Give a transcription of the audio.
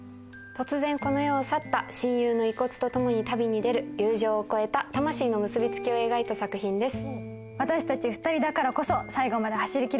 突然この世を去った親友の遺骨とともに旅に出る友情を超えた魂の結びつきを描いた作品です。